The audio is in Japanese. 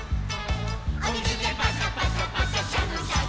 「おみずでパシャパシャパシャシャのシャッ！